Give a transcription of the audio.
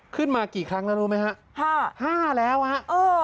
ขึ้นมากี่ครั้งแล้วรู้ไหมฮะห้าแล้วฮะเออ